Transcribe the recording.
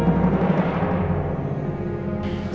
anak anak kalian itu gagah cantik cantik kalau pakai baju itu